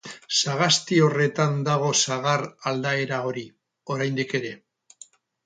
Sagasti horretan dago sagar aldaera hori, oraindik ere.